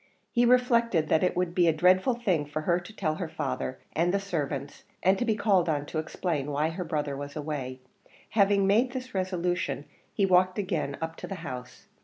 He reflected that it would be a dreadful thing for her to tell her father and the servants, and to be called on to explain why her brother was away; having made this resolution he walked again up to the house.